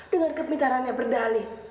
dengan kemitarannya berdali